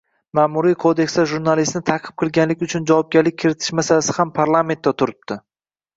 Ma’muriy kodeksda jurnalistni ta’qib qilganlik uchun javobgarlik kiritish masalasi ham parlamentda turibdi.